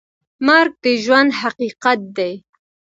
مرګ د ژوند حقیقت دی